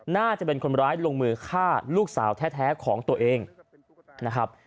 น่าจะเป็นคนร้ายลงมือฆ่าลูกสาวแท้ของตัวเองนะครับ